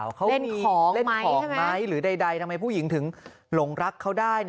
เขาเล่นของเล่นของไหมหรือใดทำไมผู้หญิงถึงหลงรักเขาได้